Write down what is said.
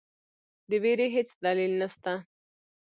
د وېرې هیڅ دلیل نسته.